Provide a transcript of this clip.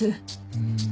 うん。